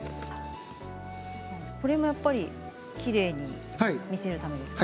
これも、きれいに見せるためですか？